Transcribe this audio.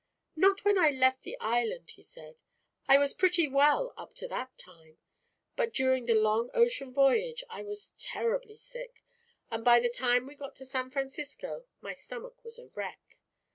"Not when I left the island," he said. "I was pretty well up to that time. But during the long ocean voyage I was terribly sick, and by the time we got to San Francisco my stomach was a wreck.